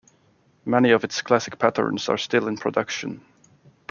Many of its classic patterns are still in production.